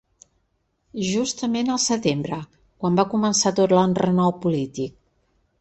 Justament al setembre, quan va començar tot l’enrenou polític.